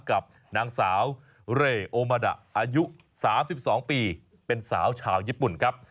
กับนางสาวเรโอมาดะอายุ๓๒ปีเป็นสาวชาวญี่ปุ่นครับ